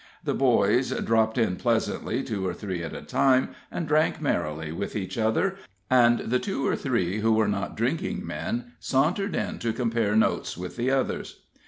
The boys dropped in pleasantly, two or three at a time, and drank merrily with each other; and the two or three who were not drinking men sauntered in to compare notes with the others.